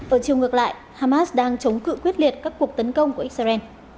ở chiều ngược lại hamas đang chống cự quyết liệt các cuộc tấn công của israel